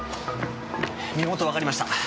身元わかりました。